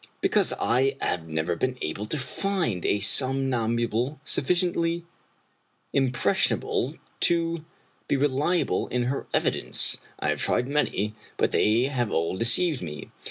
" Because I have never been able to find a somnambule sufficiently impressionable to be reliable in her evidence. I have tried many, but they have all deceived me.